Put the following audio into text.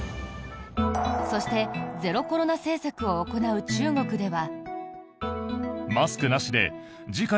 そして、ゼロコロナ政策を行う中国では。